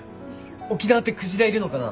沖縄ってクジラいるのかな？